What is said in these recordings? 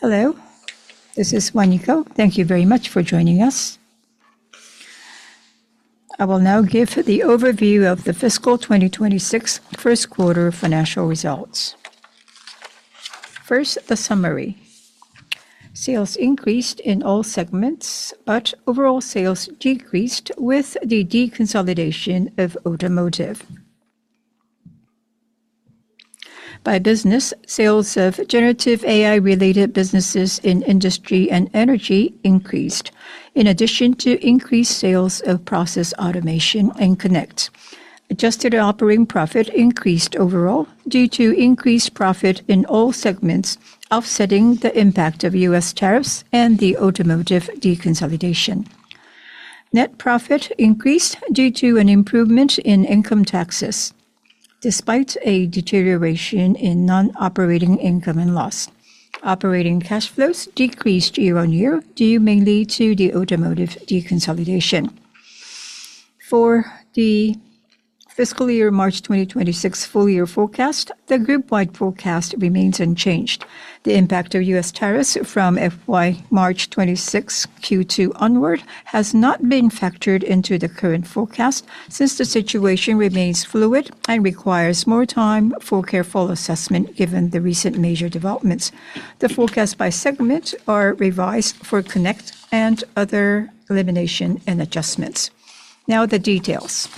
Hello, this is Waniko. Thank you very much for joining us. I will now give the overview of the fiscal 2026 first quarter financial results. First, the summary. Sales increased in all segments, but overall sales decreased with the deconsolidation of automotive. By business, sales of generative AI-related businesses in industry and energy increased, in addition to increased sales of process automation and Connect. Adjusted operating profit increased overall due to increased profit in all segments, offsetting the impact of U.S. tariffs and the automotive deconsolidation. Net profit increased due to an improvement in income taxes, despite a deterioration in non-operating income and loss. Operating cash flows decreased year-on-year, due mainly to the automotive deconsolidation. For the fiscal year March 2026 full year forecast, the group-wide forecast remains unchanged. The impact of U.S. tariffs from FY March 2026 Q2 onward has not been factored into the current forecast since the situation remains fluid and requires more time for careful assessment given the recent major developments. The forecast by segment is revised for Connect and other elimination and adjustments. Now the details.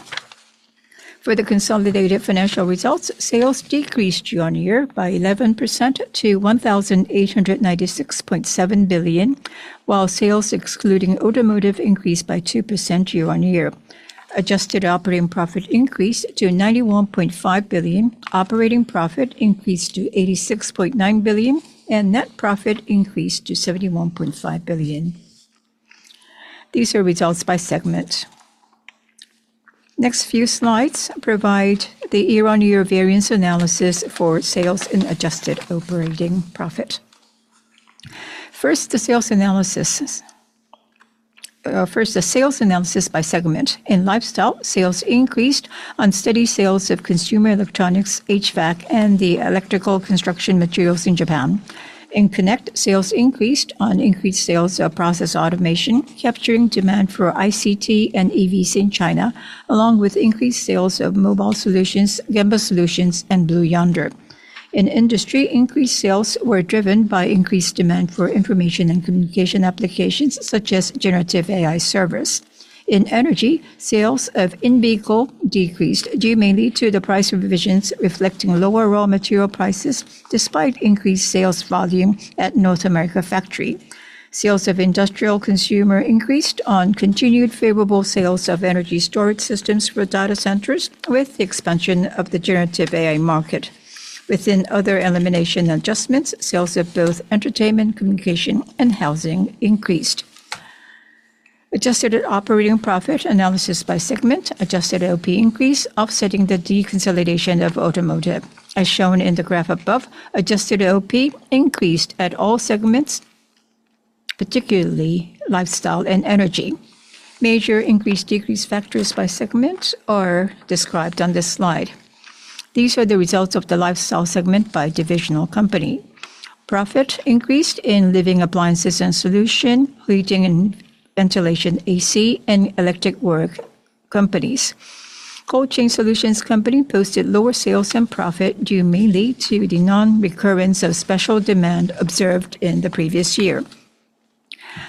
For the consolidated financial results, sales decreased year-on-year by 11% to 1,896.7 billion, while sales excluding automotive increased by 2% year-on-year. Adjusted operating profit increased to 91.5 billion, operating profit increased to 86.9 billion, and net profit increased to 71.5 billion. These are results by segment. Next few slides provide the year-on-year variance analysis for sales and adjusted operating profit. First, the sales analysis. By segment. In lifestyle, sales increased on steady sales of consumer electronics, HVAC, and the electrical construction materials in Japan. In Connect, sales increased on increased sales of process automation, capturing demand for ICT and EVs in China, along with increased sales of Mobile Solutions, Gemba Solutions, and Blue Yonder. In industry, increased sales were driven by increased demand for information and communication applications such as generative AI servers. In energy, sales of in vehicle decreased, due mainly to the price revisions reflecting lower raw material prices, despite increased sales volume at North America factory. Sales of industrial consumer increased on continued favorable sales of energy storage systems for data centers, with the expansion of the generative AI market. Within other elimination adjustments, sales of both entertainment, communication, and housing increased. Adjusted operating profit analysis by segment, adjusted OP increased, offsetting the deconsolidation of automotive. As shown in the graph above, adjusted OP increased at all segments, particularly lifestyle and energy. Major increase-decrease factors by segment are described on this slide. These are the results of the lifestyle segment by divisional company. Profit increased in living appliances and solution, heating and ventilation, AC, and electric work companies. Coaching solutions company posted lower sales and profit, due mainly to the non-recurrence of special demand observed in the previous year.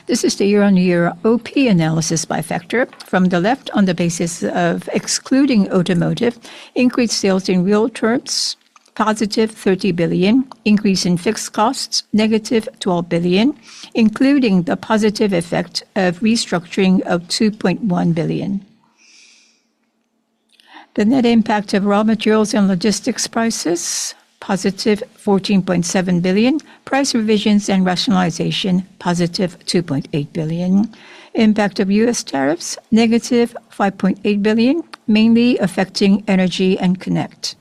This is the year-on-year OP analysis by factor. From the left, on the basis of excluding automotive, increased sales in real terms, +30 billion, increase in fixed costs, -12 billion, including the positive effect of restructuring of 2.1 billion. The net impact of raw materials and logistics prices, +14.7 billion, price revisions and rationalization, +2.8 billion. Impact of U.S. tariffs, -5.8 billion, mainly affecting Energy and Connect.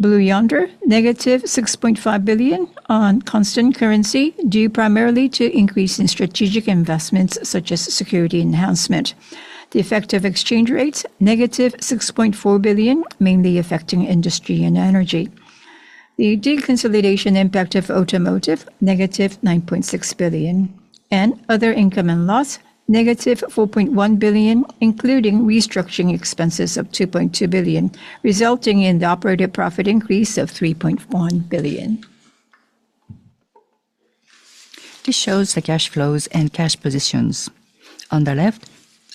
Blue Yonder, -6.5 billion on constant currency, due primarily to increase in strategic investments such as security enhancement. The effect of exchange rates, -6.4 billion, mainly affecting industry and energy. The deconsolidation impact of automotive, -9.6 billion. And other income and loss, -4.1 billion, including restructuring expenses of 2.2 billion, resulting in the operative profit increase of 3.1 billion. This shows the cash flows and cash positions. On the left,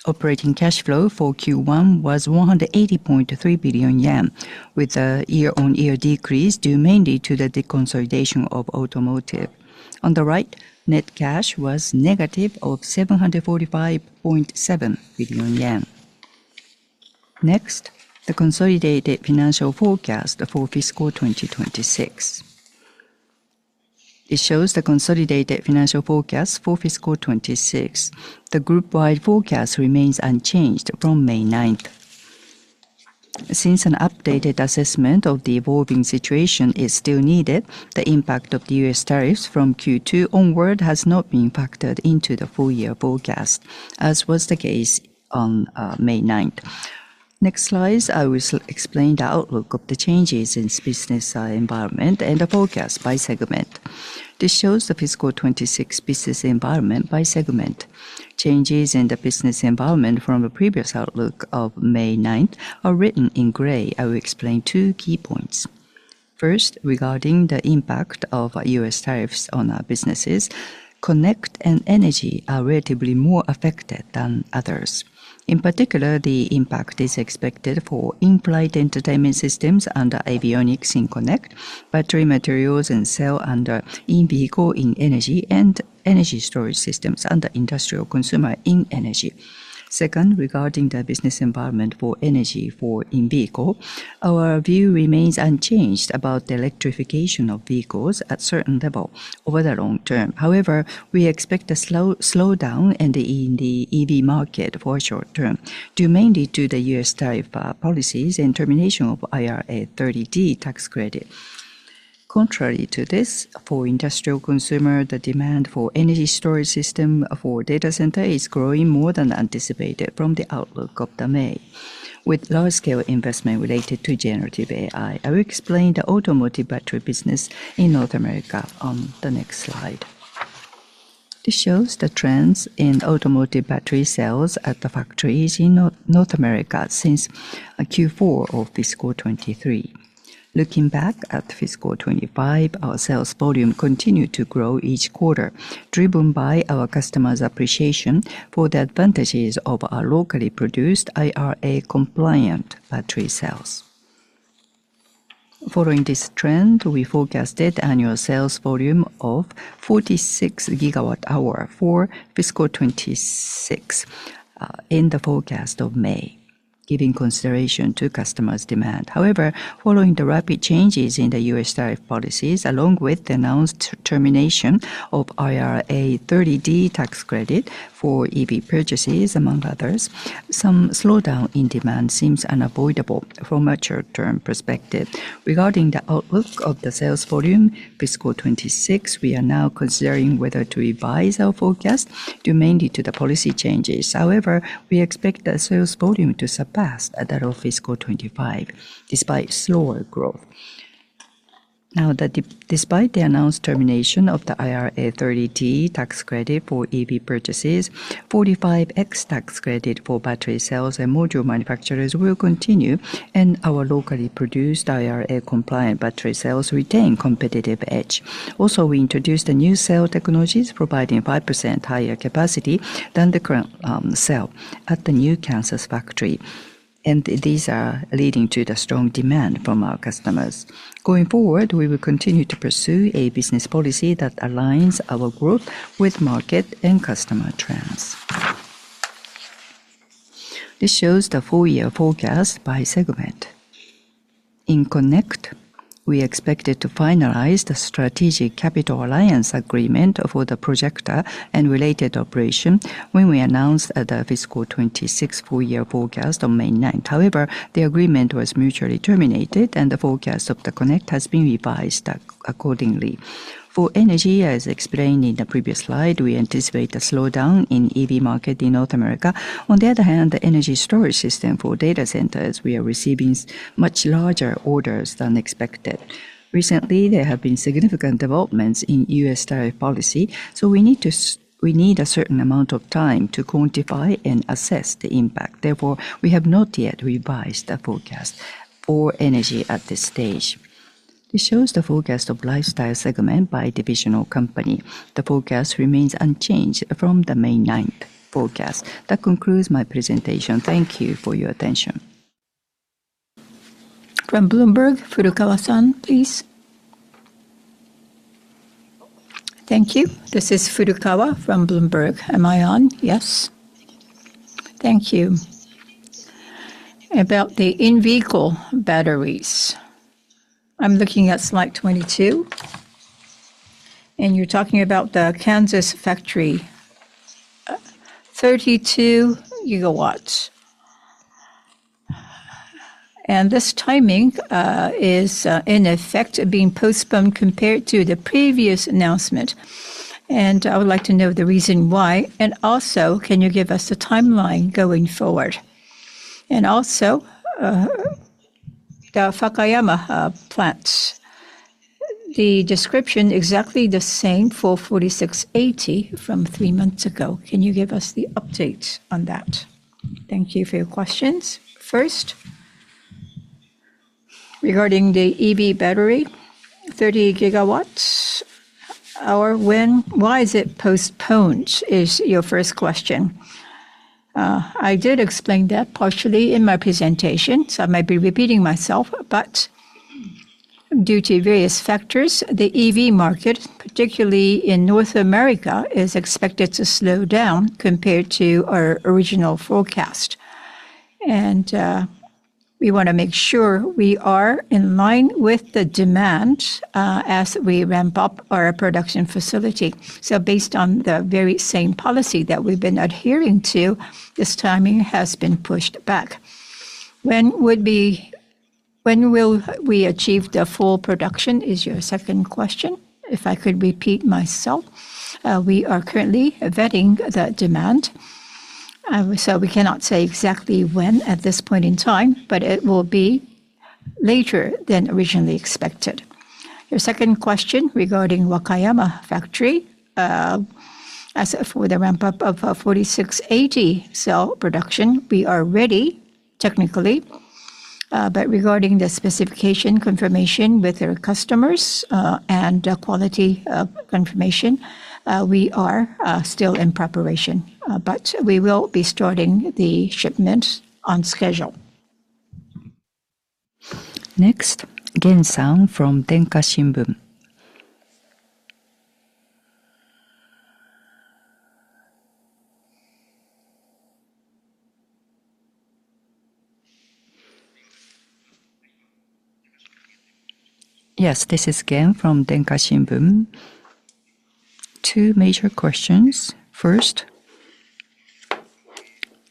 operating cash flow for Q1 was 180.3 billion yen, with a year-on-year decrease due mainly to the deconsolidation of automotive. On the right, net cash was -745.7 billion yen. Next, the consolidated financial forecast for fiscal 2026. It shows the consolidated financial forecast for fiscal 2026. The group-wide forecast remains unchanged from May 9th. Since an updated assessment of the evolving situation is still needed, the impact of the U.S. tariffs from Q2 onward has not been factored into the full year forecast, as was the case on May 9th. Next slide, I will explain the outlook of the changes in business environment and the forecast by segment. This shows the fiscal 2026 business environment by segment. Changes in the business environment from the previous outlook of May 9th are written in gray. I will explain two key points. First, regarding the impact of U.S. tariffs on businesses, Connect and Energy are relatively more affected than others. In particular, the impact is expected for implied entertainment systems under avionics in Connect, battery materials and cell under in vehicle in energy, and energy storage systems under industrial consumer in energy. Second, regarding the business environment for energy for in vehicle, our view remains unchanged about the electrification of vehicles at a certain level over the long term. However, we expect a slowdown in the EV market for a short term, due mainly to the U.S. tariff policies and termination of IRA 30D tax credit. Contrary to this, for industrial consumer, the demand for energy storage system for data center is growing more than anticipated from the outlook of May, with large-scale investment related to generative AI. I will explain the automotive battery business in North America on the next slide. This shows the trends in automotive battery sales at the factories in North America since Q4 of fiscal 2023. Looking back at fiscal 2025, our sales volume continued to grow each quarter, driven by our customers' appreciation for the advantages of our locally produced IRA-compliant battery cells. Following this trend, we forecasted annual sales volume of 46 GW-hour for fiscal 2026. In the forecast of May, giving consideration to customers' demand. However, following the rapid changes in the U.S. tariff policies, along with the announced termination of IRA 30D tax credit for EV purchases, among others, some slowdown in demand seems unavoidable from a short-term perspective. Regarding the outlook of the sales volume fiscal 2026, we are now considering whether to revise our forecast, due mainly to the policy changes. However, we expect the sales volume to surpass that of fiscal 2025, despite slower growth. Now, despite the announced termination of the IRA 30D tax credit for EV purchases, 45X tax credit for battery cells and module manufacturers will continue, and our locally produced IRA-compliant battery cells retain competitive edge. Also, we introduced the new cell technologies, providing 5% higher capacity than the current cell at the new Kansas factory, and these are leading to the strong demand from our customers. Going forward, we will continue to pursue a business policy that aligns our growth with market and customer trends. This shows the full year forecast by segment. In Connect, we expected to finalize the strategic capital alliance agreement for the projector and related operation when we announced the fiscal 2026 full year forecast on May 9th. However, the agreement was mutually terminated, and the forecast of the Connect has been revised accordingly. For Energy, as explained in the previous slide, we anticipate a slowdown in the EV market in North America. On the other hand, the energy storage system for data centers, we are receiving much larger orders than expected. Recently, there have been significant developments in U.S. tariff policy, so we need a certain amount of time to quantify and assess the impact. Therefore, we have not yet revised the forecast for Energy at this stage. This shows the forecast of lifestyle segment by divisional company. The forecast remains unchanged from the May 9th forecast. That concludes my presentation. Thank you for your attention. From Bloomberg, Furukawa-san, please. Thank you. This is Furukawa from Bloomberg. Am I on? Yes. Thank you. About the in-vehicle batteries. I'm looking at slide 22. And you're talking about the Kansas factory. 32 GWs. And this timing is, in effect, being postponed compared to the previous announcement. I would like to know the reason why. Also, can you give us the timeline going forward? Also, the Fukuyama plants. The description is exactly the same for 4680 from three months ago. Can you give us the update on that? Thank you for your questions. First, regarding the EV battery, 30 GWs. Why is it postponed is your first question. I did explain that partially in my presentation, so I might be repeating myself, but due to various factors, the EV market, particularly in North America, is expected to slow down compared to our original forecast. We want to make sure we are in line with the demand as we ramp up our production facility. Based on the very same policy that we've been adhering to, this timing has been pushed back. When will we achieve the full production is your second question. If I could repeat myself, we are currently vetting the demand. We cannot say exactly when at this point in time, but it will be later than originally expected. Your second question regarding Wakayama factory. As for the ramp-up of 4680 cell production, we are ready technically, but regarding the specification confirmation with our customers and the quality confirmation, we are still in preparation, but we will be starting the shipment on schedule. Next, Gen-san from Denki Shinbun. Yes, this is Gen from Denki Shinbun. Two major questions. First.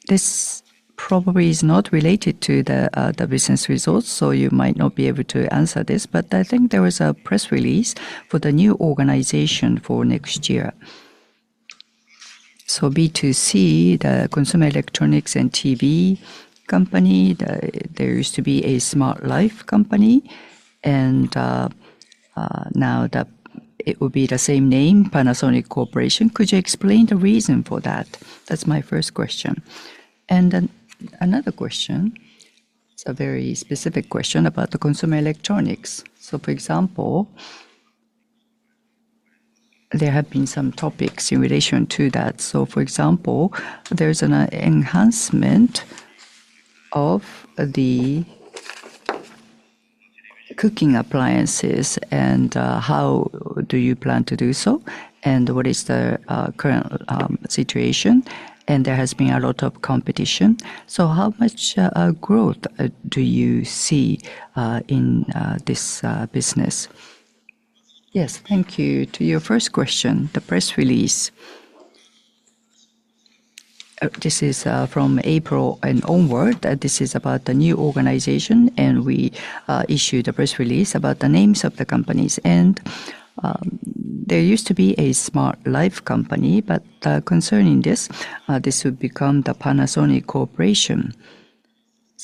This probably is not related to the business results, so you might not be able to answer this, but I think there was a press release for the new organization for next year. So B2C, the consumer electronics and TV company. There used to be a Smart Life company. Now it will be the same name, Panasonic Corporation. Could you explain the reason for that? That's my first question. Another question. It's a very specific question about the consumer electronics. For example, there have been some topics in relation to that. For example, there's an enhancement of the cooking appliances and how do you plan to do so? What is the current situation? There has been a lot of competition. How much growth do you see in this business? Yes, thank you. To your first question, the press release. This is from April and onward. This is about the new organization, and we issued a press release about the names of the companies. There used to be a Smart Life company, but concerning this, this would become the Panasonic Corporation.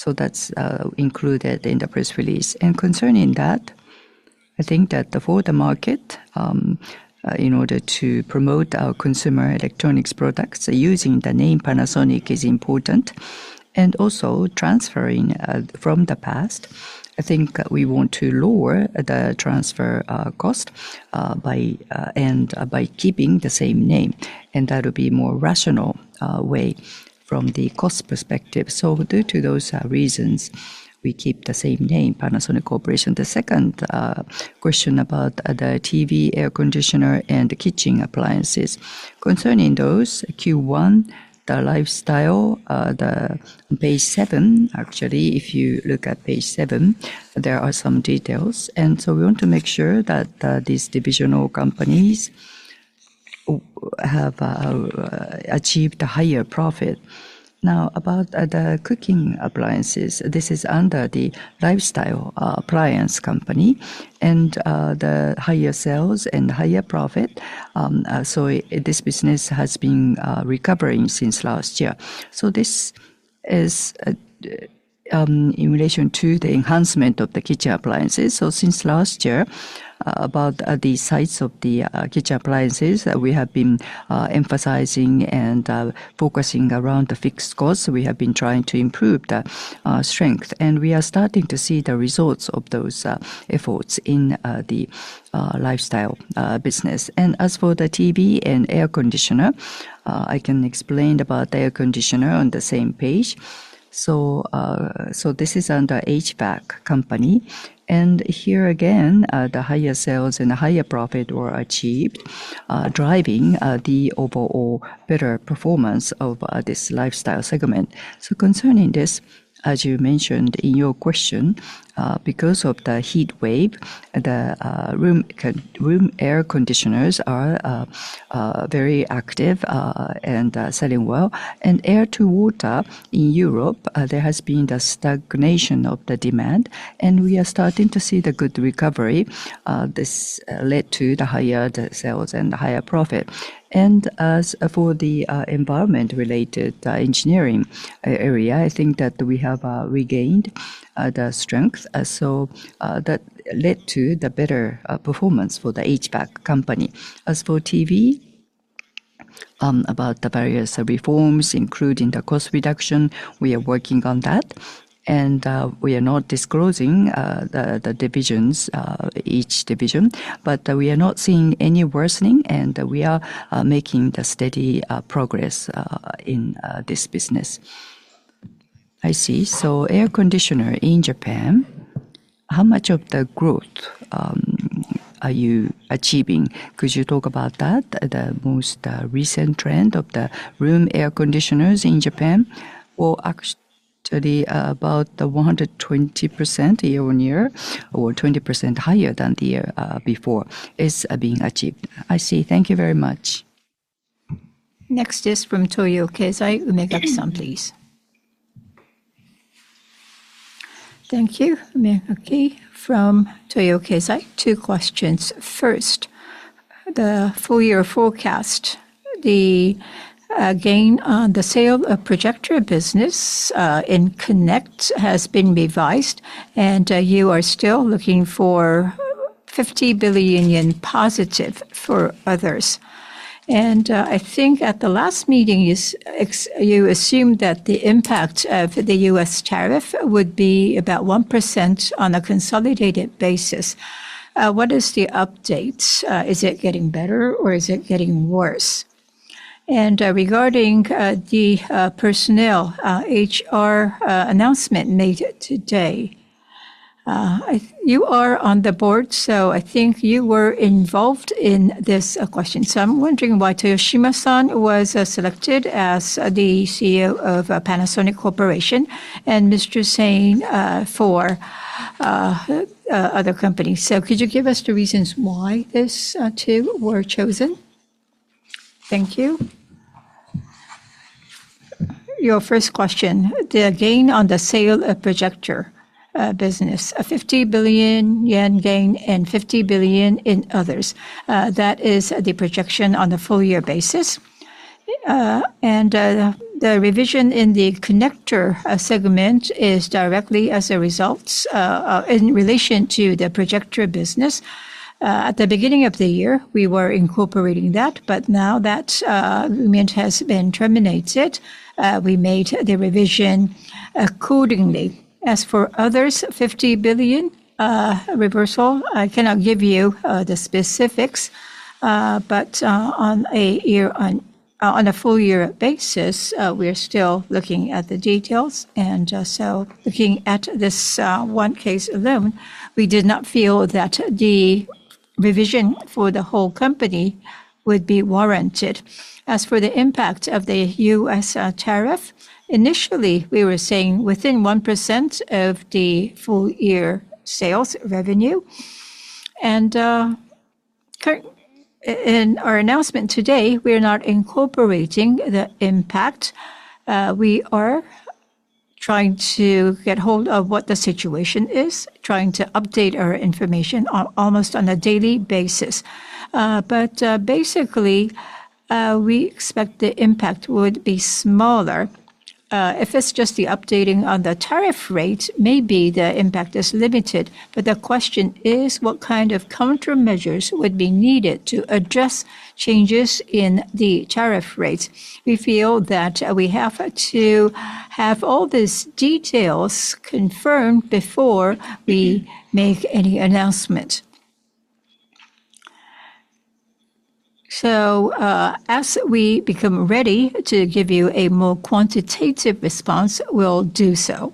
That's included in the press release. Concerning that, I think that for the market, in order to promote our consumer electronics products using the name Panasonic is important. Also, transferring from the past, I think we want to lower the transfer cost. By keeping the same name, that would be a more rational way from the cost perspective. Due to those reasons, we keep the same name, Panasonic Corporation. The second question about the TV, air conditioner, and kitchen appliances. Concerning those, Q1, the lifestyle. Page seven, actually, if you look at page seven, there are some details. We want to make sure that these divisional companies have achieved a higher profit. Now, about the cooking appliances, this is under the lifestyle appliance company and the higher sales and higher profit. This business has been recovering since last year. This is in relation to the enhancement of the kitchen appliances. Since last year, about the size of the kitchen appliances that we have been emphasizing and focusing around the fixed costs, we have been trying to improve the strength. We are starting to see the results of those efforts in the lifestyle business. As for the TV and air conditioner, I can explain about the air conditioner on the same page. This is under HVAC company. Here again, the higher sales and the higher profit were achieved, driving the overall better performance of this lifestyle segment. Concerning this, as you mentioned in your question, because of the heat wave, the room air conditioners are very active and selling well. Air-to-water in Europe, there has been the stagnation of the demand, and we are starting to see the good recovery. This led to the higher sales and the higher profit. As for the environment-related engineering area, I think that we have regained the strength. That led to the better performance for the HVAC company. As for TV, about the various reforms, including the cost reduction, we are working on that. We are not disclosing the divisions, each division, but we are not seeing any worsening, and we are making steady progress in this business. I see. Air conditioner in Japan, how much of the growth are you achieving? Could you talk about that, the most recent trend of the room air conditioners in Japan? Actually, about the 120% year-on-year, or 20% higher than the year before, is being achieved. I see. Thank you very much. Next is from Toyo Keizai. Umegaki-san, please. Thank you. Umegaki, from Toyo Keizai. Two questions. First, the full year forecast. The gain on the sale of projector business in Connect has been revised, and you are still looking for 50 billion yen positive for others. I think at the last meeting you assumed that the impact of the U.S. tariff would be about 1% on a consolidated basis. What is the update? Is it getting better, or is it getting worse? Regarding the personnel, HR announcement made today. You are on the board, so I think you were involved in this question. I am wondering why Toyoshima-san was selected as the CEO of Panasonic Corporation and Mr. Sain for other companies. Could you give us the reasons why these two were chosen? Thank you. Your first question, the gain on the sale of projector business, 50 billion yen gain and 50 billion in others. That is the projection on a full year basis. The revision in the Connect segment is directly as a result. In relation to the projector business, at the beginning of the year, we were incorporating that, but now that movement has been terminated, we made the revision accordingly. As for others, 50 billion reversal, I cannot give you the specifics. On a full year basis, we are still looking at the details. Looking at this one case alone, we did not feel that the revision for the whole company would be warranted. As for the impact of the U.S. tariff, initially, we were saying within 1% of the full year sales revenue. In our announcement today, we are not incorporating the impact. We are trying to get hold of what the situation is, trying to update our information almost on a daily basis. Basically, we expect the impact would be smaller. If it is just the updating on the tariff rate, maybe the impact is limited. The question is, what kind of countermeasures would be needed to address changes in the tariff rates? We feel that we have to have all these details confirmed before we make any announcement. As we become ready to give you a more quantitative response, we will do so.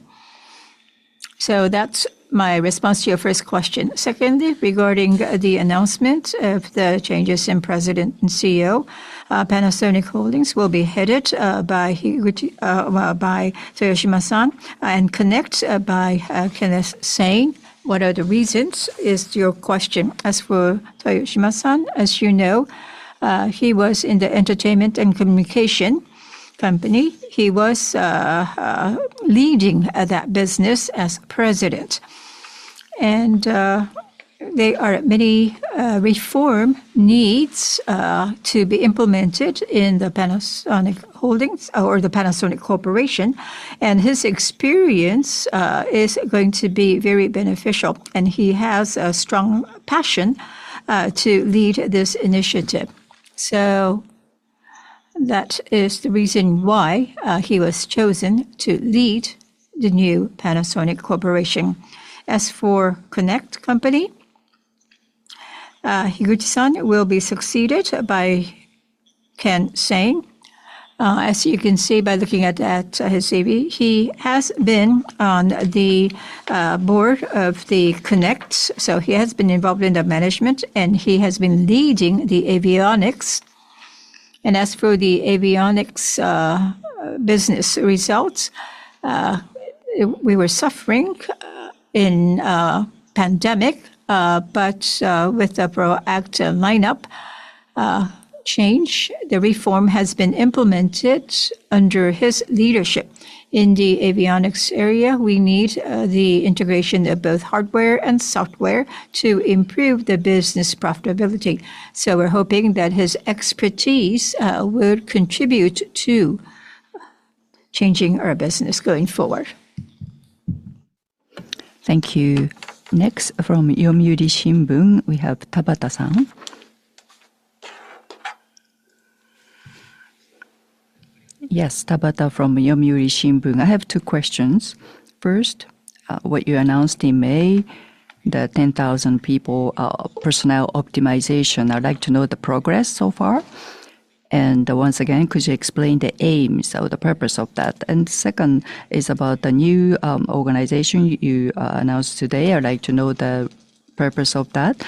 That is my response to your first question. Secondly, regarding the announcement of the changes in President and CEO, Panasonic Holdings will be headed by Toyoshima-san and Connect by Kenneth Sain. What are the reasons is your question. As for Toyoshima-san, as you know, he was in the Entertainment and Communication Company. He was leading that business as President. There are many reform needs to be implemented in Panasonic Holdings or Panasonic Corporation, and his experience is going to be very beneficial. He has a strong passion to lead this initiative. That is the reason why he was chosen to lead the new Panasonic Corporation. As for Connect Company, Higuchi-san will be succeeded by Ken Sain. As you can see by looking at his CV, he has been on the board of the Connect. He has been involved in the management, and he has been leading the avionics. As for the avionics business results, we were suffering in the pandemic, but with the ProAct lineup change, the reform has been implemented under his leadership. In the avionics area, we need the integration of both hardware and software to improve the business profitability. We are hoping that his expertise would contribute to changing our business going forward. Thank you. Next, from Yomiuri Shimbun, we have Tabata-san. Yes, Tabata from Yomiuri Shimbun. I have two questions. First, what you announced in May, the 10,000 people. Personnel optimization, I'd like to know the progress so far. Once again, could you explain the aims or the purpose of that? Second is about the new organization you announced today. I'd like to know the purpose of that.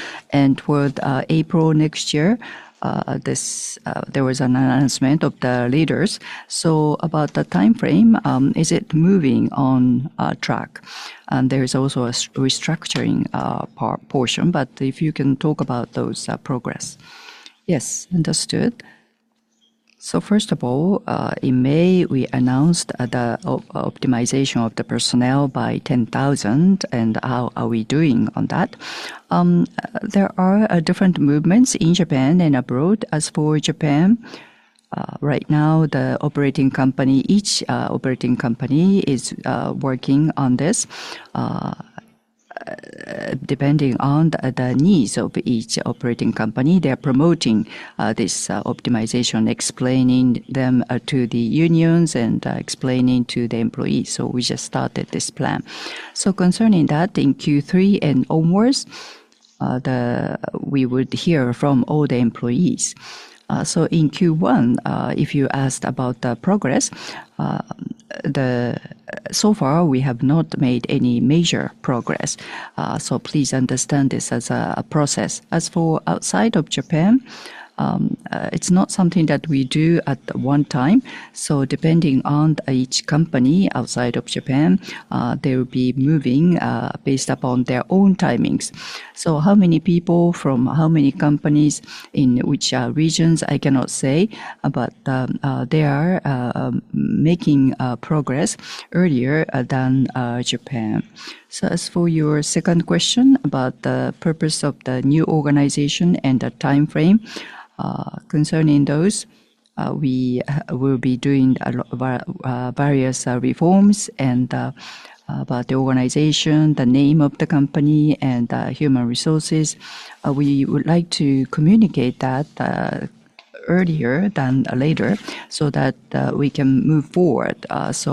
Toward April next year. There was an announcement of the leaders. About the timeframe, is it moving on track? There is also a restructuring portion, but if you can talk about those progress. Yes, understood. First of all, in May, we announced the optimization of the personnel by 10,000, and how are we doing on that? There are different movements in Japan and abroad. As for Japan. Right now, the operating company, each operating company is working on this. Depending on the needs of each operating company, they are promoting this optimization, explaining them to the unions and explaining to the employees. We just started this plan. Concerning that, in Q3 and onwards. We would hear from all the employees. In Q1, if you asked about the progress. So far, we have not made any major progress. Please understand this as a process. As for outside of Japan. It's not something that we do at one time. Depending on each company outside of Japan, they will be moving based upon their own timings. How many people from how many companies in which regions, I cannot say, but they are making progress earlier than Japan. As for your second question about the purpose of the new organization and the timeframe. Concerning those, we will be doing various reforms and about the organization, the name of the company, and human resources. We would like to communicate that earlier than later so that we can move forward. As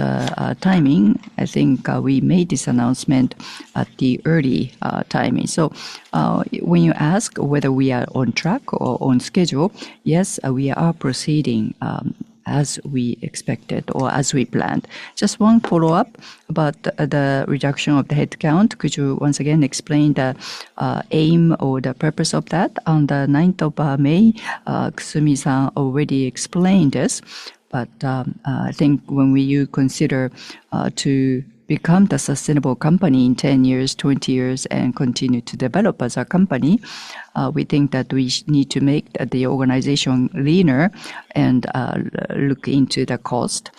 a timing, I think we made this announcement at the early timing. When you ask whether we are on track or on schedule, yes, we are proceeding as we expected or as we planned. Just one follow-up about the reduction of the head count. Could you once again explain the aim or the purpose of that? On the 9th of May, Kusumi-san already explained this, but I think when you consider to become the sustainable company in 10 years, 20 years, and continue to develop as a company, we think that we need to make the organization leaner and look into the cost.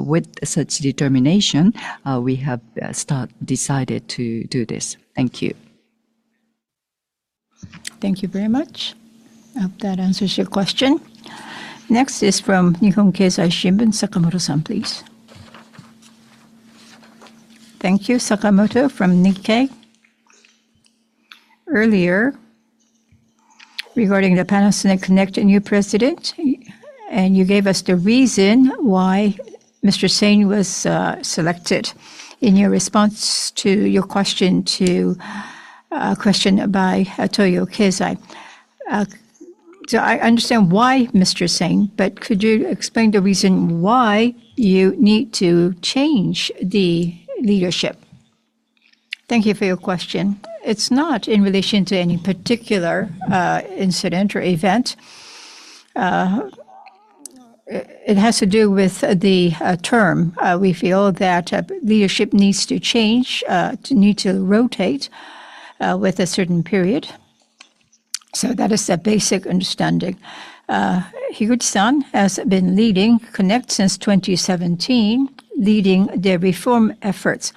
With such determination, we have decided to do this. Thank you. Thank you very much. I hope that answers your question. Next is from Nihon Keizai Shimbun, Sakamoto-san, please. Thank you. Sakamoto from Nikkei. Earlier, regarding the Panasonic Connect new president. And you gave us the reason why Mr. Sain was selected in your response to your question to. A question by Toyo Keizai. I understand why Mr. Sain, but could you explain the reason why you need to change the leadership? Thank you for your question. It is not in relation to any particular incident or event. It has to do with the term. We feel that leadership needs to change, need to rotate with a certain period. That is the basic understanding. Higuchi-san has been leading Connect since 2017, leading the reform efforts.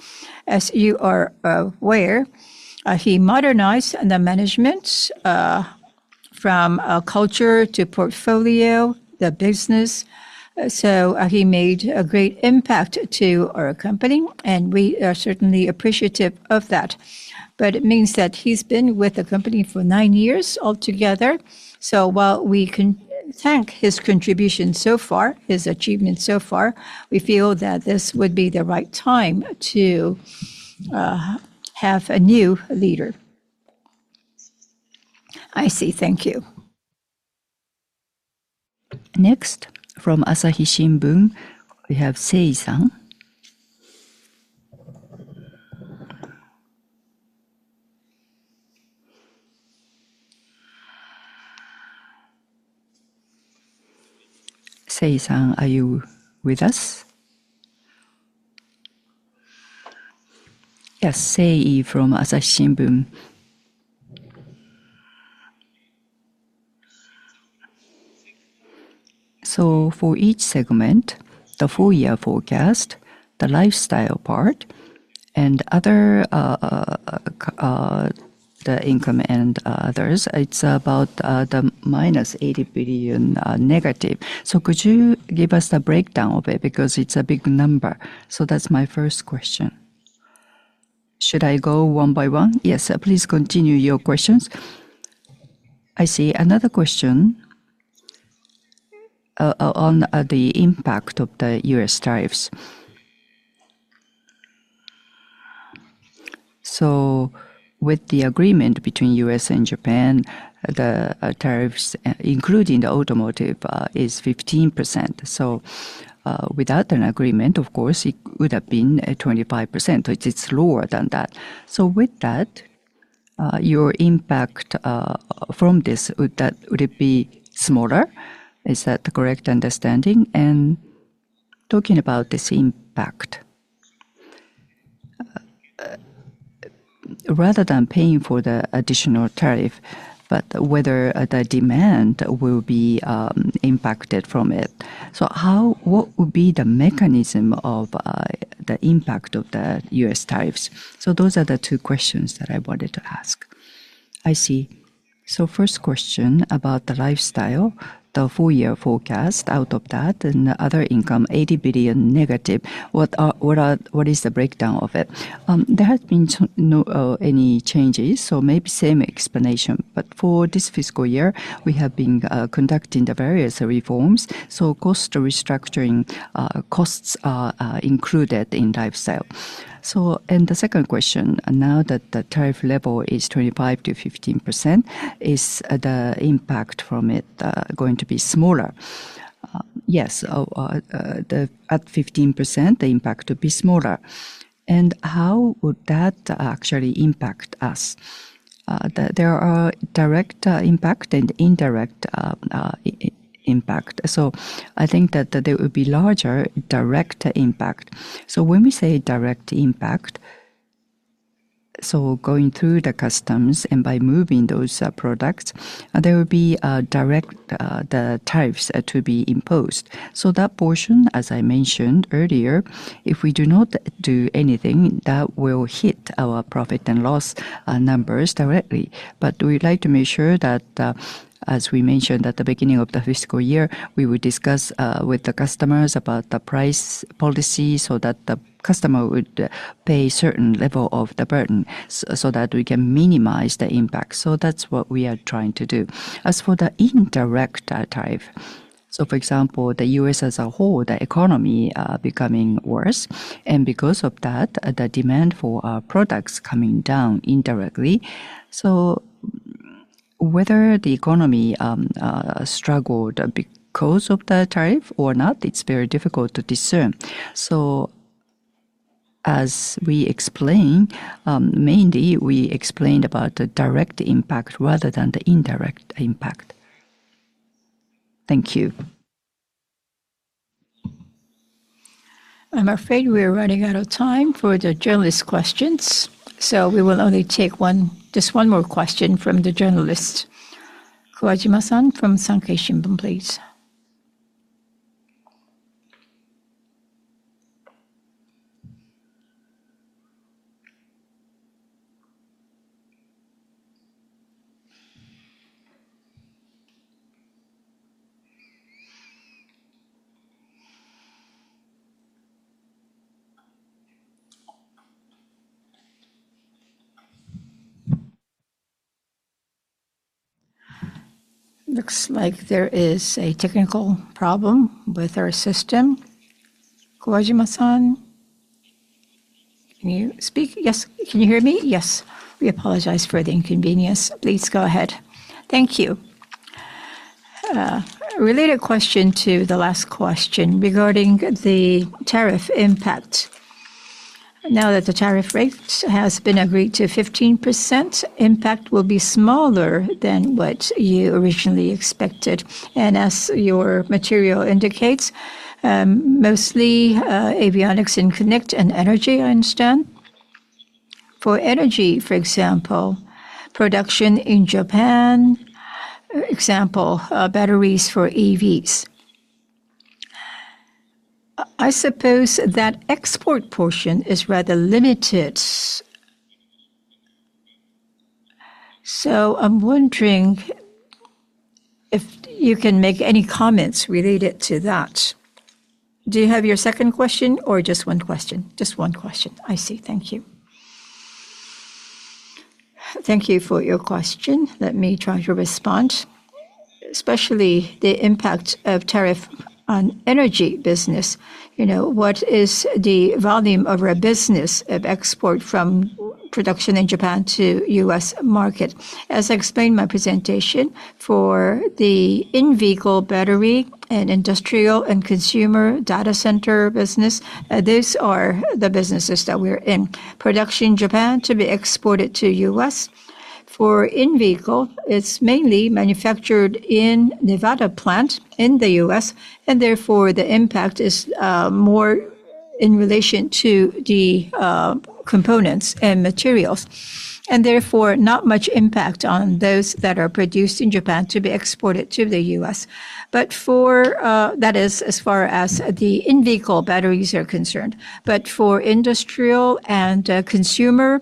As you are aware, he modernized the management. From culture to portfolio, the business. He made a great impact to our company, and we are certainly appreciative of that. It means that he has been with the company for nine years altogether. While we thank his contribution so far, his achievement so far, we feel that this would be the right time to have a new leader. I see. Thank you. Next, from Asahi Shimbun, we have Sei-san. Sei-san, are you with us? Yes, Sei from Asahi Shimbun. For each segment, the full year forecast, the lifestyle part. And other. The income and others, it is about the minus 80 billion negative. Could you give us the breakdown of it because it is a big number? That is my first question. Should I go one by one? Yes, please continue your questions. I see. Another question. On the impact of the U.S. tariffs. With the agreement between U.S. and Japan, the tariffs, including the automotive, is 15%. Without an agreement, of course, it would have been 25%. It is lower than that. With that, your impact from this, would it be smaller? Is that the correct understanding? Talking about this impact, rather than paying for the additional tariff, but whether the demand will be impacted from it. What would be the mechanism of the impact of the U.S. tariffs? Those are the two questions that I wanted to ask. I see. First question about the lifestyle, the full year forecast out of that and other income, 80 billion negative. What is the breakdown of it? There has been no changes, so maybe same explanation. For this fiscal year, we have been conducting the various reforms. Cost restructuring costs are included in lifestyle. The second question, now that the tariff level is 25% to 15%, is the impact from it going to be smaller? Yes. At 15%, the impact would be smaller. How would that actually impact us? There are direct impact and indirect impact. I think that there would be larger direct impact. When we say direct impact, going through the customs and by moving those products, there will be direct tariffs to be imposed. That portion, as I mentioned earlier, if we do not do anything, that will hit our profit and loss numbers directly. We would like to make sure that, as we mentioned at the beginning of the fiscal year, we will discuss with the customers about the price policy so that the customer would pay a certain level of the burden so that we can minimize the impact. That is what we are trying to do. As for the indirect tariff, for example, the U.S. as a whole, the economy becoming worse, and because of that, the demand for our products coming down indirectly. Whether the economy struggled because of the tariff or not, it is very difficult to discern. As we explained, mainly, we explained about the direct impact rather than the indirect impact. Thank you. I'm afraid we are running out of time for the journalist questions. We will only take just one more question from the journalist. Kuwajima-san from Sankei Shimbun, please. Looks like there is a technical problem with our system. Kuwajima-san, can you speak? Yes. Can you hear me? Yes. We apologize for the inconvenience. Please go ahead. Thank you. Related question to the last question regarding the tariff impact. Now that the tariff rate has been agreed to 15%, impact will be smaller than what you originally expected. As your material indicates, mostly avionics and Connect and Energy, I understand. For Energy, for example, production in Japan, example, batteries for EVs. I suppose that export portion is rather limited. I'm wondering if you can make any comments related to that. Do you have your second question or just one question? Just one question. I see. Thank you. Thank you for your question. Let me try to respond. Especially the impact of tariff on energy business. What is the volume of our business of export from production in Japan to U.S. market? As I explained in my presentation, for the in-vehicle battery and industrial and consumer data center business, these are the businesses that we're in. Production in Japan to be exported to U.S. For in-vehicle, it's mainly manufactured in the Nevada plant in the U.S., and therefore the impact is more in relation to the components and materials. Therefore, not much impact on those that are produced in Japan to be exported to the U.S. That is as far as the in-vehicle batteries are concerned. For industrial and consumer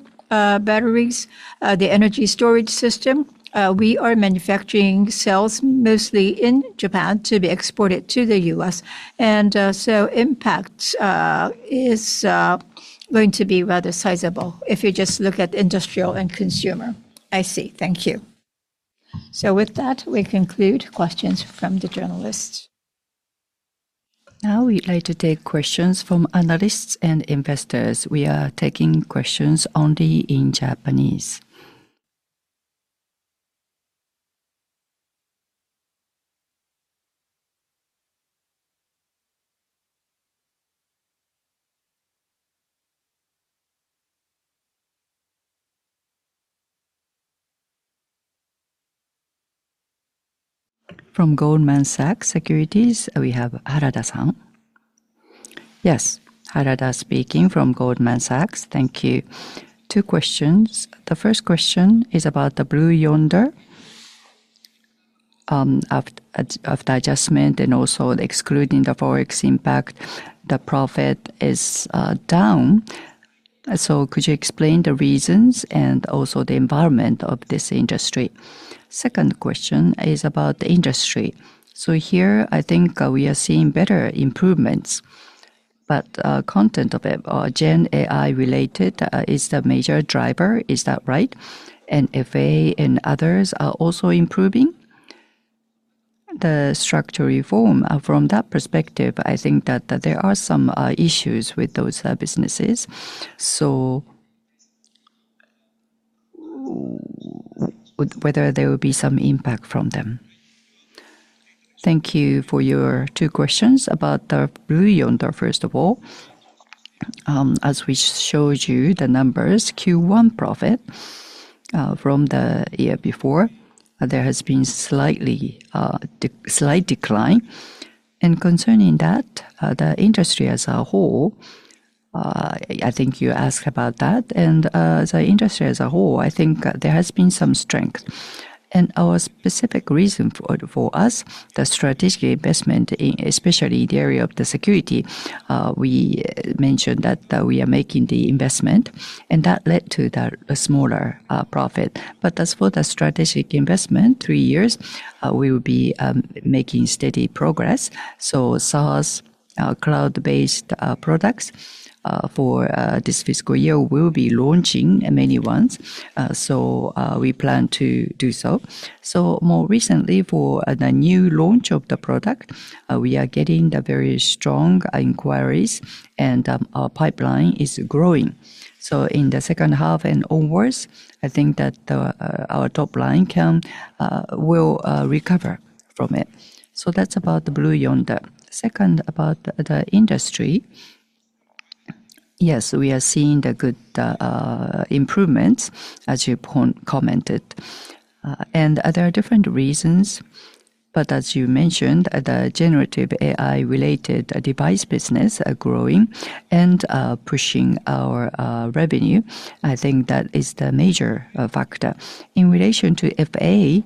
batteries, the energy storage system, we are manufacturing cells mostly in Japan to be exported to the U.S., and so impact is going to be rather sizable if you just look at industrial and consumer. I see. Thank you. With that, we conclude questions from the journalists. Now we'd like to take questions from analysts and investors. We are taking questions only in Japanese. From Goldman Sachs, we have Harada-san. Yes, Harada speaking from Goldman Sachs. Thank you. Two questions. The first question is about the Blue Yonder. After adjustment and also excluding the Forex impact, the profit is down. Could you explain the reasons and also the environment of this industry? Second question is about the industry. Here, I think we are seeing better improvements, but content of it, Gen AI related, is the major driver. Is that right? And FA and others are also improving? The structure reform, from that perspective, I think that there are some issues with those businesses. Whether there will be some impact from them. Thank you for your two questions. About the Blue Yonder, first of all, as we showed you the numbers, Q1 profit from the year before, there has been a slight decline. Concerning that, the industry as a whole, I think you asked about that, and the industry as a whole, I think there has been some strength. Our specific reason for us, the strategic investment, especially the area of the security, we mentioned that we are making the investment, and that led to the smaller profit. As for the strategic investment, three years, we will be making steady progress. SaaS cloud-based products for this fiscal year will be launching many ones. We plan to do so. More recently, for the new launch of the product, we are getting very strong inquiries, and our pipeline is growing. In the second half and onwards, I think that our top line will recover from it. That's about the Blue Yonder. Second, about the industry. Yes, we are seeing good improvements, as you commented. There are different reasons, but as you mentioned, the generative AI-related device business is growing and pushing our revenue. I think that is the major factor. In relation to FA,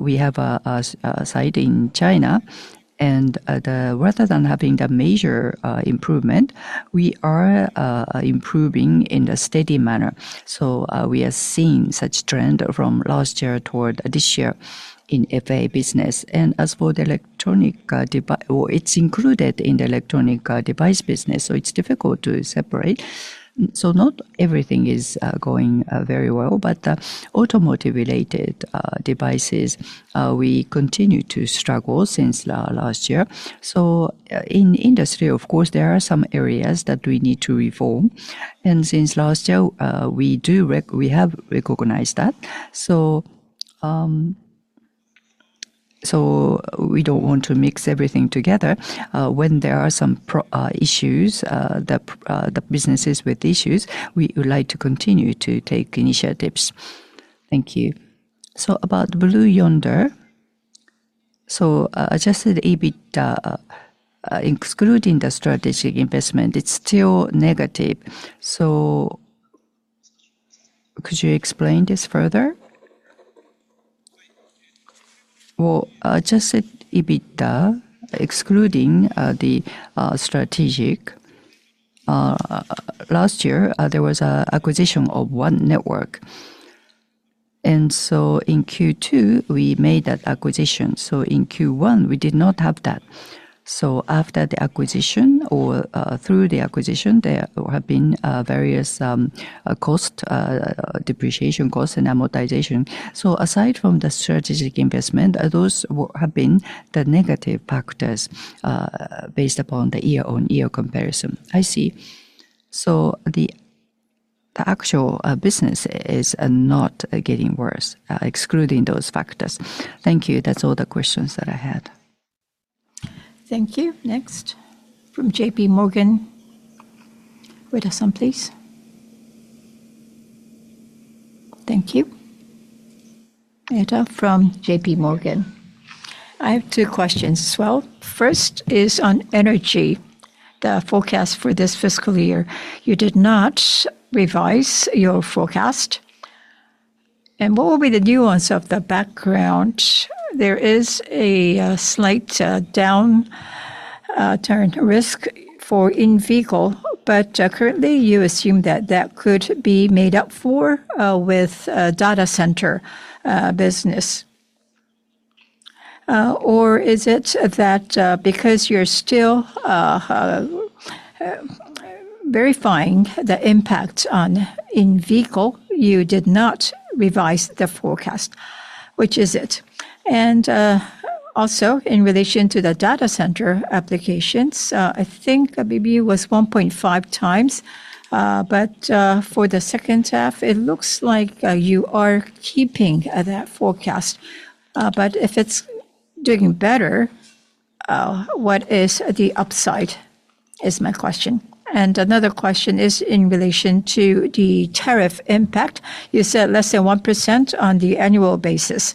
we have a site in China, and rather than having the major improvement, we are improving in a steady manner. We are seeing such trend from last year toward this year in FA business. As for the electronic device, it is included in the electronic device business, so it is difficult to separate. Not everything is going very well, but the automotive-related devices, we continue to struggle since last year. In industry, of course, there are some areas that we need to reform. Since last year, we do recognize that. We do not want to mix everything together. When there are some issues, the businesses with issues, we would like to continue to take initiatives. Thank you. About the Blue Yonder, adjusted EBITDA, excluding the strategic investment, it is still negative. Could you explain this further? Adjusted EBITDA, excluding the strategic, last year there was an acquisition of One Network. In Q2, we made that acquisition. In Q1, we did not have that. After the acquisition or through the acquisition, there have been various costs, depreciation cost, and amortization. Aside from the strategic investment, those have been the negative factors. Based upon the year-on-year comparison. I see. The actual business is not getting worse, excluding those factors. Thank you. That is all the questions that I had. Thank you. Next, from JP Morgan. Edda-san, please. Thank you. Edda from JP Morgan. I have two questions. First is on Energy, the forecast for this fiscal year. You did not revise your forecast. What will be the nuance of the background? There is a slight downturn risk for in-vehicle, but currently, you assume that that could be made up for with data center business. Or is it that because you are still verifying the impact on in-vehicle, you did not revise the forecast? Which is it? Also, in relation to the data center applications, I think maybe it was 1.5 times. For the second half, it looks like you are keeping that forecast. If it is doing better, what is the upside? Is my question. Another question is in relation to the tariff impact. You said less than 1% on the annual basis.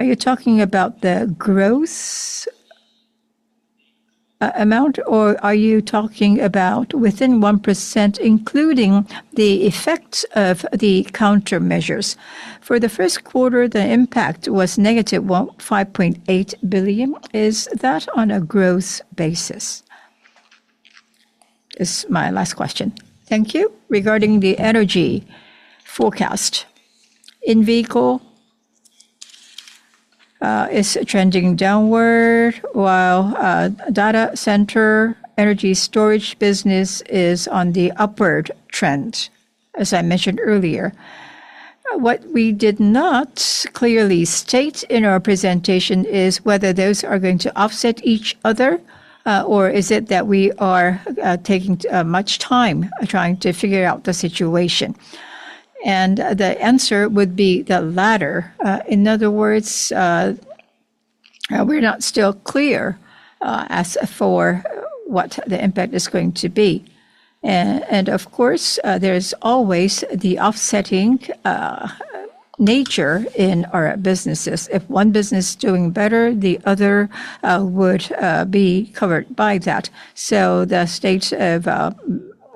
Are you talking about the growth. Amount, or are you talking about within 1%, including the effect of the countermeasures? For the first quarter, the impact was -5.8 billion. Is that on a growth basis? This is my last question. Thank you. Regarding the Energy forecast. In-vehicle is trending downward, while data center energy storage business is on the upward trend, as I mentioned earlier. What we did not clearly state in our presentation is whether those are going to offset each other, or is it that we are taking much time trying to figure out the situation? The answer would be the latter. In other words, we're not still clear as for what the impact is going to be. Of course, there's always the offsetting nature in our businesses. If one business is doing better, the other would be covered by that. The state of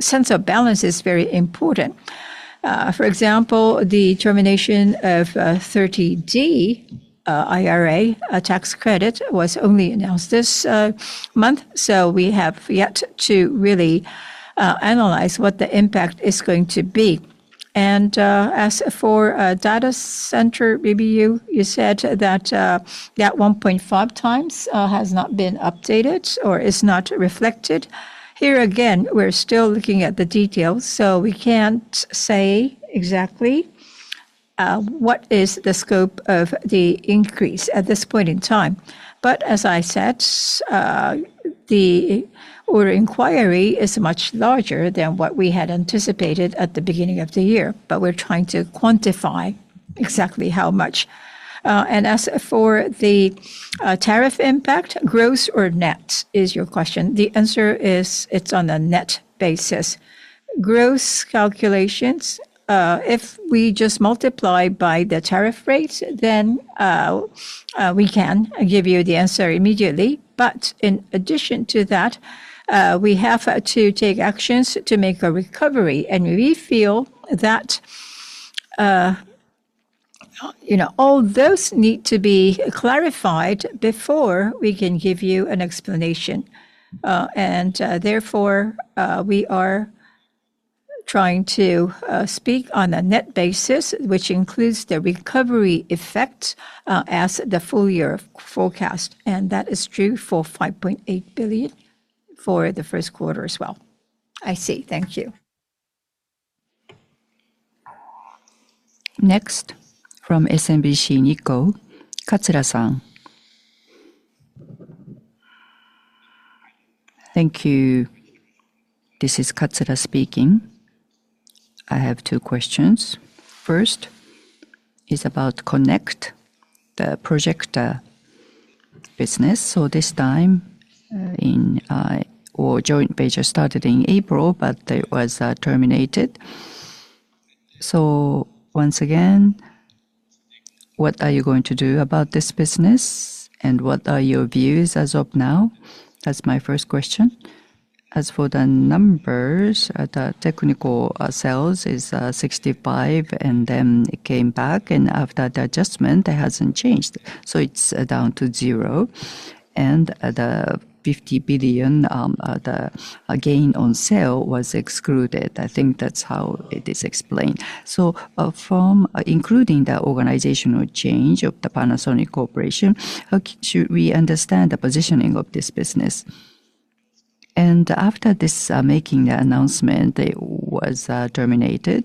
sense of balance is very important. For example, the termination of 30D IRA tax credit was only announced this month, so we have yet to really analyze what the impact is going to be. As for data center, maybe you said that 1.5x has not been updated or is not reflected. Here again, we're still looking at the details, so we can't say exactly what is the scope of the increase at this point in time. As I said, the order inquiry is much larger than what we had anticipated at the beginning of the year, but we're trying to quantify exactly how much. As for the tariff impact, gross or net, is your question. The answer is it's on a net basis. Gross calculations, if we just multiply by the tariff rate, then we can give you the answer immediately. In addition to that, we have to take actions to make a recovery. We feel that all those need to be clarified before we can give you an explanation. Therefore, we are trying to speak on a net basis, which includes the recovery effect as the full year forecast. That is true for 5.8 billion for the first quarter as well. I see. Thank you. Next, from SMBC Nikko, Katsura-san. Thank you. This is Katsura speaking. I have two questions. First is about Connect, the projector business. This time, our joint venture started in April, but it was terminated. Once again, what are you going to do about this business, and what are your views as of now? That's my first question. As for the numbers, the technical sales is 65, and then it came back. After the adjustment, it hasn't changed, so it's down to zero. The 50 billion gain on sale was excluded. I think that's how it is explained. From including the organizational change of the Panasonic Corporation, how should we understand the positioning of this business? After this, making the announcement, it was terminated.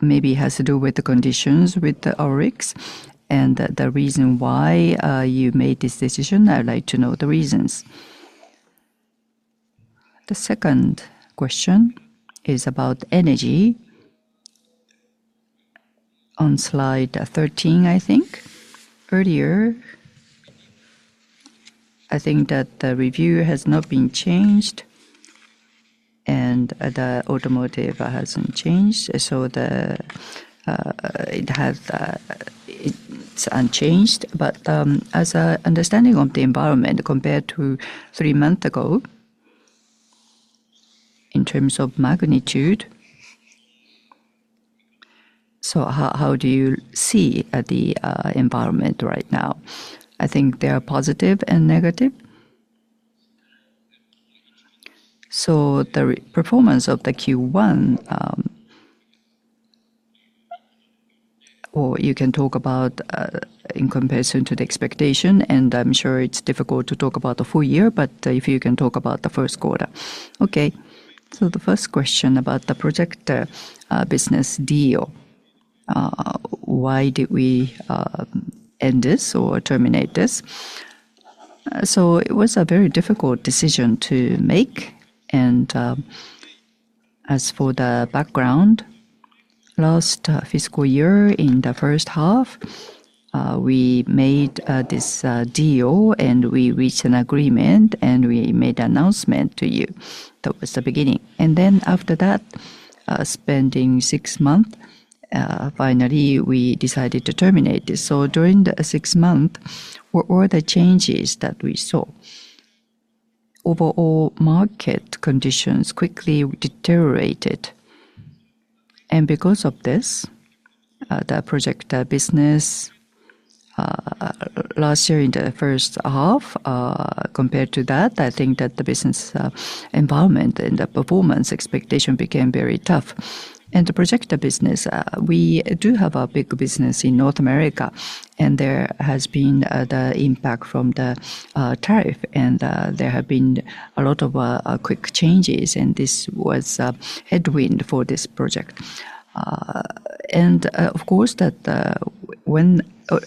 Maybe it has to do with the conditions with the ORIX. The reason why you made this decision, I'd like to know the reasons. The second question is about Energy. On slide 13, I think. Earlier, I think that the review has not been changed. The automotive hasn't changed. It's unchanged. As an understanding of the environment compared to three months ago, in terms of magnitude, how do you see the environment right now? I think there are positive and negative. The performance of the Q1, or you can talk about in comparison to the expectation. I'm sure it's difficult to talk about the full year, but if you can talk about the first quarter. Okay. The first question about the projector business deal. Why did we end this or terminate this? It was a very difficult decision to make. As for the background, last fiscal year, in the first half, we made this deal, and we reached an agreement, and we made an announcement to you. That was the beginning. After that, spending six months, finally, we decided to terminate this. During the six months, with all the changes that we saw, overall market conditions quickly deteriorated. Because of this, the projector business, last year in the first half, compared to that, I think that the business environment and the performance expectation became very tough. The projector business, we do have a big business in North America, and there has been the impact from the tariff, and there have been a lot of quick changes, and this was a headwind for this project. Of course,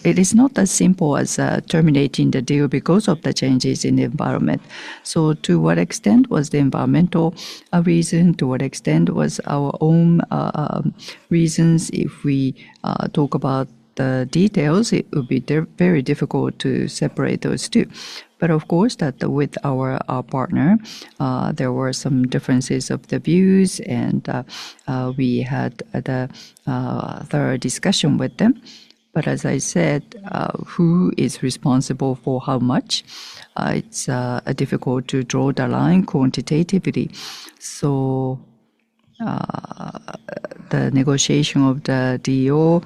it is not as simple as terminating the deal because of the changes in the environment. To what extent was the environmental reason? To what extent was our own reasons? If we talk about the details, it would be very difficult to separate those two. Of course, with our partner, there were some differences of the views, and we had the thorough discussion with them. As I said, who is responsible for how much, it's difficult to draw the line quantitatively. The negotiation of the deal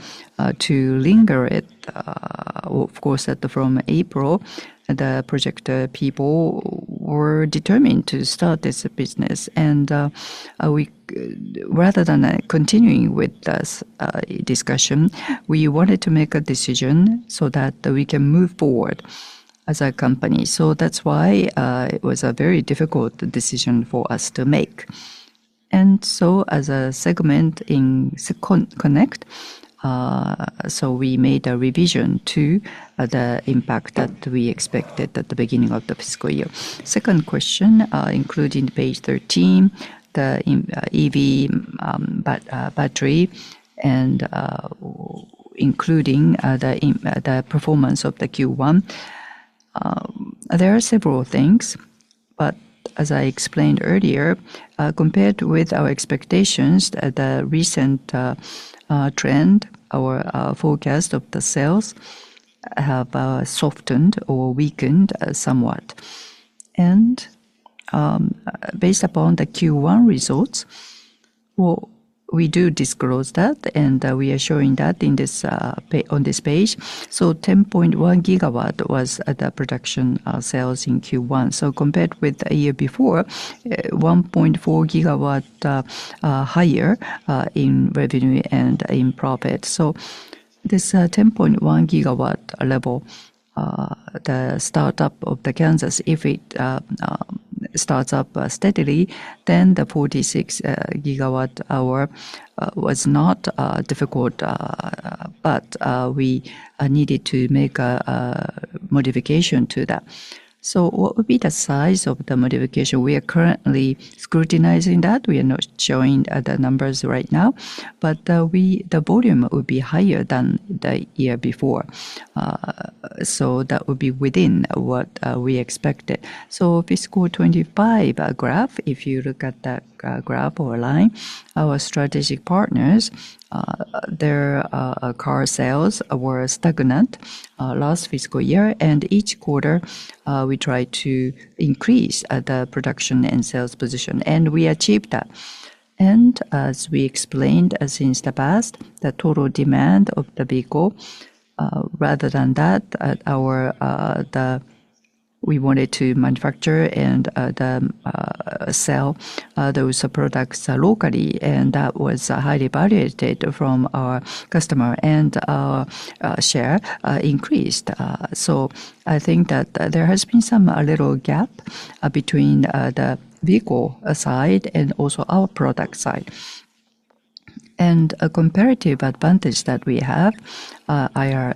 to linger it. Of course, from April, the projector people were determined to start this business. Rather than continuing with this discussion, we wanted to make a decision so that we can move forward as a company. That is why it was a very difficult decision for us to make. As a segment in Connect, we made a revision to the impact that we expected at the beginning of the fiscal year. Second question, including page 13, the EV battery, and including the performance of Q1. There are several things, but as I explained earlier, compared with our expectations, the recent trend, our forecast of the sales have softened or weakened somewhat. Based upon the Q1 results, we do disclose that, and we are showing that on this page. 10.1 GW was the production sales in Q1. Compared with the year before, 1.4 GW higher in revenue and in profit. This 10.1 GW level, the startup of Kansas, if it starts up steadily, then the 46 GW hour was not difficult. We needed to make a modification to that. What would be the size of the modification? We are currently scrutinizing that. We are not showing the numbers right now, but the volume would be higher than the year before. That would be within what we expected. Fiscal 2025 graph, if you look at that graph or line, our strategic partners, their car sales were stagnant last fiscal year, and each quarter, we tried to increase the production and sales position, and we achieved that. As we explained since the past, the total demand of the vehicle, rather than that, we wanted to manufacture and sell those products locally, and that was highly valuated from our customer, and share increased. I think that there has been some little gap between the vehicle side and also our product side, and a comparative advantage that we have. IRA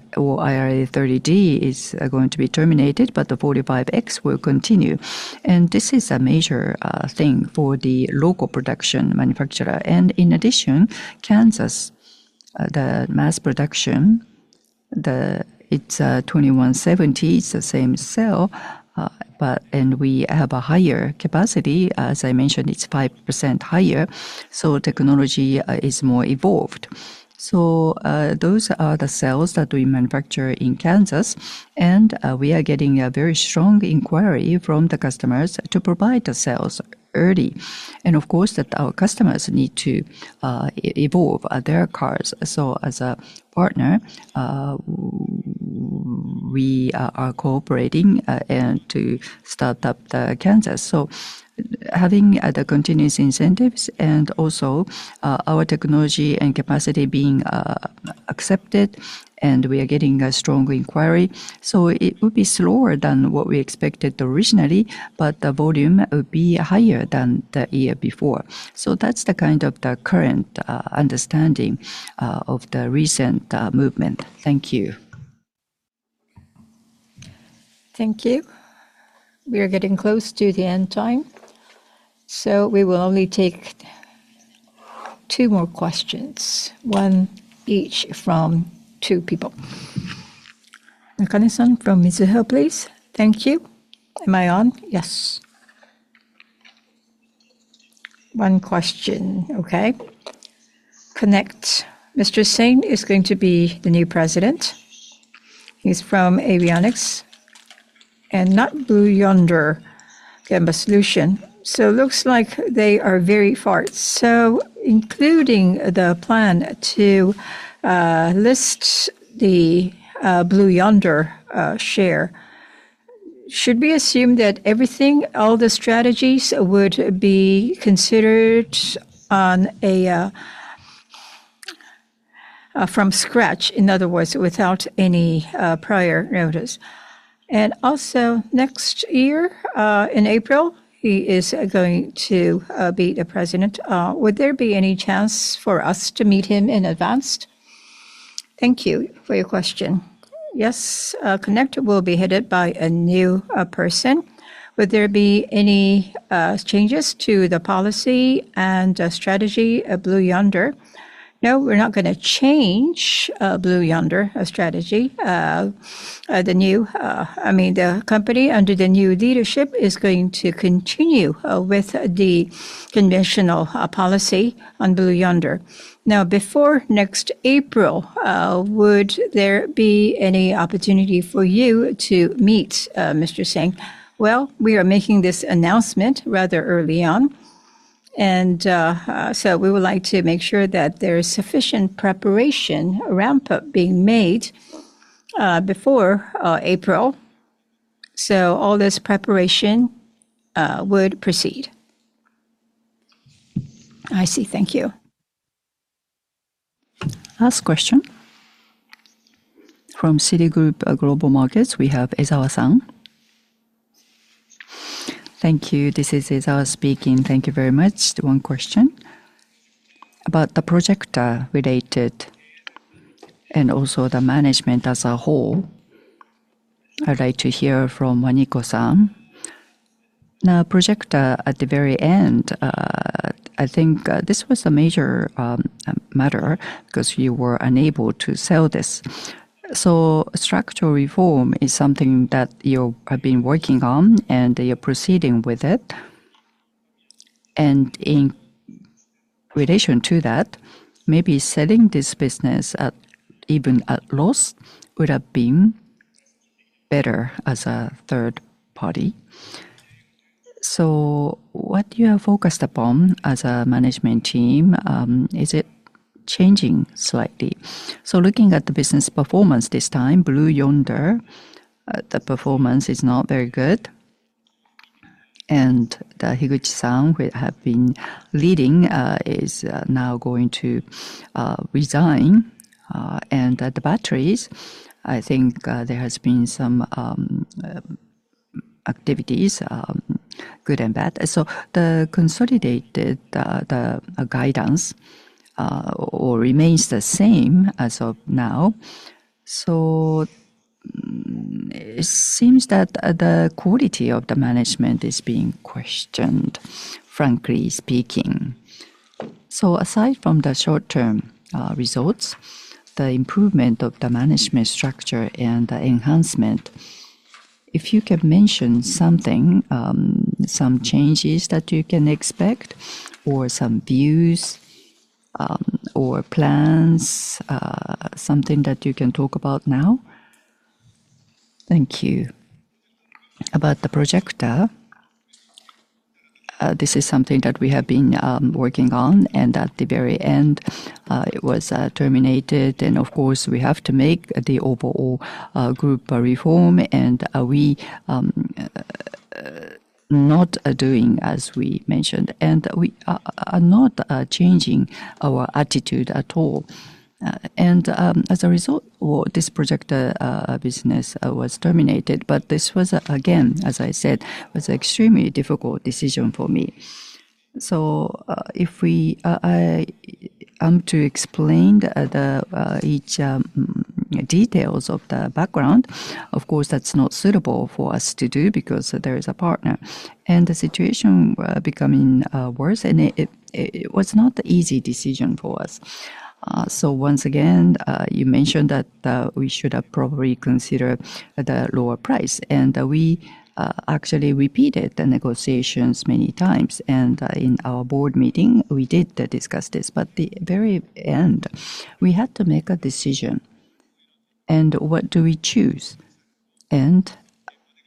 30D is going to be terminated, but the 45X will continue. This is a major thing for the local production manufacturer. In addition, Kansas, the mass production, it is 2170, it is the same cell, and we have a higher capacity. As I mentioned, it is 5% higher. Technology is more evolved. Those are the sales that we manufacture in Kansas, and we are getting a very strong inquiry from the customers to provide the sales early. Of course, our customers need to evolve their cars. As a partner, we are cooperating to start up Kansas. Having the continuous incentives and also our technology and capacity being accepted, we are getting a strong inquiry. It would be slower than what we expected originally, but the volume would be higher than the year before. That is the kind of the current understanding of the recent movement. Thank you. Thank you. We are getting close to the end time. We will only take two more questions, one each from two people. Nakane-san from Mizuho, please. Thank you. Am I on? Yes. One question. Okay. Connect. Mr. Sain is going to be the new president. He is from Avionics and not Blue Yonder. Get a solution. It looks like they are very far. Including the plan to list the Blue Yonder share, should we assume that everything, all the strategies, would be considered from scratch, in other words, without any prior notice? Also, next year in April, he is going to be the president. Would there be any chance for us to meet him in advance? Thank you for your question. Yes. Connect will be headed by a new person. Would there be any changes to the policy and strategy of Blue Yonder? No, we are not going to change Blue Yonder strategy. The company under the new leadership is going to continue with the conventional policy on Blue Yonder. Now, before next April, would there be any opportunity for you to meet Mr. Sain? We are making this announcement rather early on, and we would like to make sure that there is sufficient preparation, ramp up being made before April. All this preparation would proceed. I see. Thank you. Last question. From Citigroup Global Markets, we have Ezawa-san. Thank you. This is Ezawa speaking. Thank you very much. One question. About the projector-related, and also the management as a whole. I would like to hear from Waniko-san. Now, projector at the very end, I think this was a major matter because you were unable to sell this. Structural reform is something that you have been working on, and you are proceeding with it. In relation to that, maybe selling this business even at loss would have been better as a third party. What you have focused upon as a management team, is it changing slightly? Looking at the business performance this time, Blue Yonder, the performance is not very good. Higuchi-san, who would have been leading, is now going to resign. The batteries, I think there have been some activities, good and bad. The consolidated guidance remains the same as of now. It seems that the quality of the management is being questioned, frankly speaking. Aside from the short-term results, the improvement of the management structure and the enhancement. If you can mention something, some changes that you can expect, or some views or plans, something that you can talk about now? Thank you. About the projector, this is something that we have been working on, and at the very end, it was terminated. Of course, we have to make the overall group reform, and we are not doing, as we mentioned, and we are not changing our attitude at all. As a result, this projector business was terminated. This was, again, as I said, an extremely difficult decision for me. If I am to explain the details of the background, of course, that is not suitable for us to do because there is a partner, and the situation becoming worse, and it was not an easy decision for us. Once again, you mentioned that we should have probably considered the lower price, and we actually repeated the negotiations many times. In our board meeting, we did discuss this, but at the very end, we had to make a decision. What do we choose?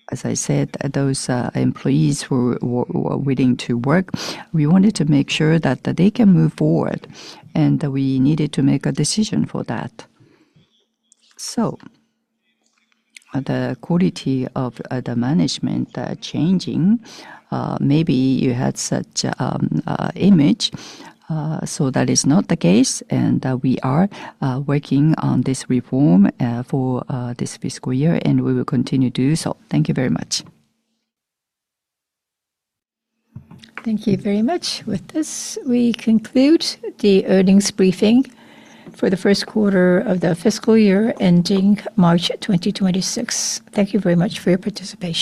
As I said, those employees who were willing to work, we wanted to make sure that they can move forward, and we needed to make a decision for that. The quality of the management changing, maybe you had such an image. That is not the case, and we are working on this reform for this fiscal year, and we will continue to do so. Thank you very much. Thank you very much. With this, we conclude the earnings briefing for the first quarter of the fiscal year ending March 2026. Thank you very much for your participation.